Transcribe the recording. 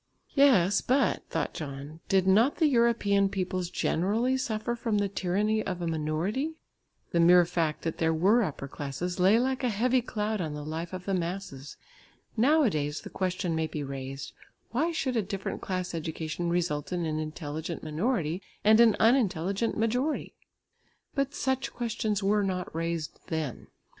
"Yes, but," thought John, "did not the European peoples generally suffer from the tyranny of a minority?" The mere fact that there were upper classes lay like a heavy cloud on the life of the masses. Nowadays the question may be raised, "Why should a different class education result in an intelligent minority and an unintelligent majority?" But such questions were not raised then.